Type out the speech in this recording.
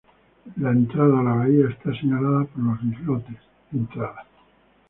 La entrada a la bahía está señalada por los islotes Entrada.